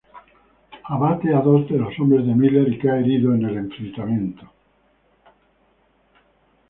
Abate a dos de los hombres de Miller y cae herido en el enfrentamiento.